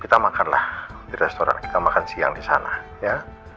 kita makanlah di restoran kita makan siang disana ya